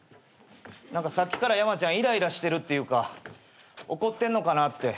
何かさっきからヤマちゃんイライラしてるっていうか怒ってんのかなって。